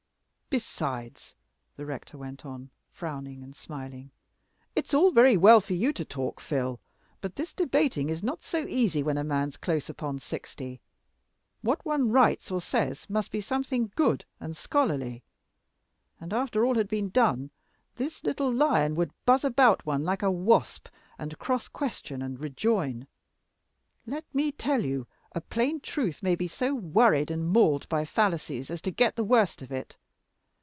Besides," the rector went on, frowning and smiling, "it's all very well for you to talk, Phil; but this debating is not so easy when a man's close upon sixty. What one writes or says must be something good and scholarly; and, after all had been done, this little Lyon would buzz about one like a wasp, and cross question and rejoin. Let me tell you, a plain truth may be so worried and mauled by fallacies as to get the worst of it.